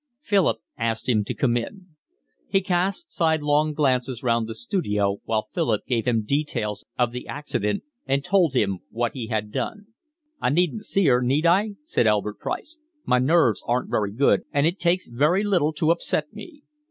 Philip asked him to come in. He cast sidelong glances round the studio while Philip gave him details of the accident and told him what he had done. "I needn't see her, need I?" asked Albert Price. "My nerves aren't very strong, and it takes very little to upset me."